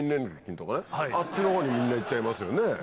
あっちのほうにみんな行っちゃいますよね？